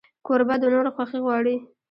کوربه د نورو خوښي غواړي.